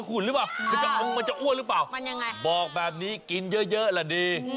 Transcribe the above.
คนจังต้องมีช่วงเครียดบ้าง